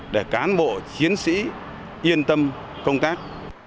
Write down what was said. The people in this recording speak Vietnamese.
để cán bộ chiến sĩ yên tâm công tác